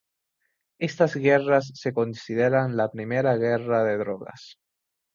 Estas guerras se consideran la primera guerra de drogas.